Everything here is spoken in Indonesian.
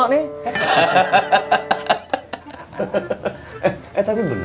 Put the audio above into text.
kebiasaan dirinya namanya